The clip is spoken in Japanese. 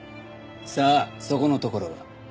さあそこのところは。